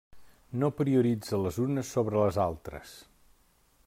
No prioritza les unes sobre les altres.